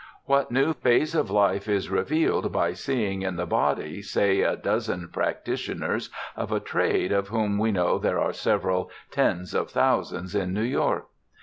What new phase of life is revealed by seeing in the body, say, a dozen practitioners of a trade of whom we know there are several tens of thousands in New York?